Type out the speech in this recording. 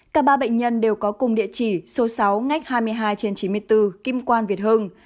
cả ba bệnh nhân đều có cùng địa chỉ số sáu ngách hai mươi hai trên chín mươi bốn kim quan việt hưng